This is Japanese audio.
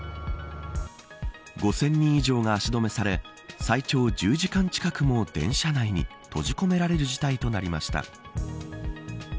５０００人以上が足止めされ最長１０時間近くも電車内に閉じ込められる事態となりました。